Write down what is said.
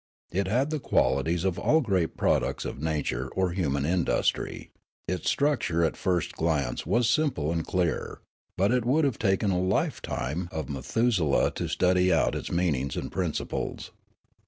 It had the qualities of all great products of nature or human industry ; its structure at the first glance was simple and clear ; but it would have taken the lifetime of Methuselah to study out its meanings and principles.